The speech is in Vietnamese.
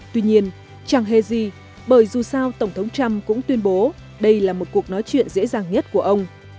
tuy nhiên chẳng hề gì bởi dù sao tổng thống trump cũng tuyên bố đây là một cuộc nói chuyện dễ dàng nhất của ông